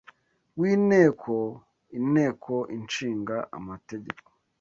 w’Inteko Inteko Ishinga Amategeko